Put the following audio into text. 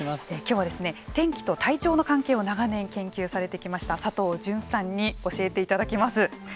きょうは、天気と体調の関係を長年研究されてきました佐藤純さんに教えていただきます。